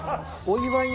お祝い？